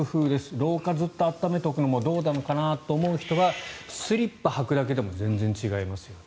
廊下をずっと暖めておくのもどうなのかなと思う人はスリッパを履くだけでも全然違いますよと。